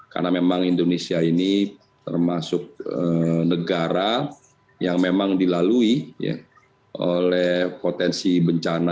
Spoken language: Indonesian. karena memang indonesia ini termasuk negara yang memang dilalui ya oleh potensi bencana